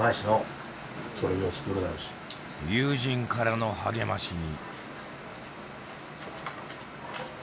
友人からの励ましに。